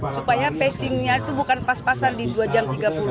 supaya passingnya itu bukan pas pasan di dua jam tiga puluh